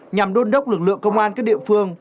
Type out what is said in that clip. nhằm đôn đốc lực lượng công an các địa phương